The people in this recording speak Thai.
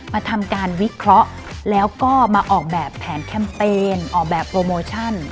ทำการวิเคราะห์แล้วก็มาออกแบบแผนแคมเปญออกแบบโปรโมชั่น